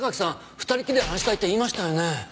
２人っきりで話したいって言いましたよね？